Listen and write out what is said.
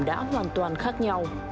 đã hoàn toàn khác nhau